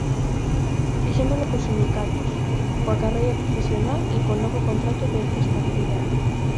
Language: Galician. Fixémolo cos sindicatos, coa carreira profesional e co novo contrato de estabilidade.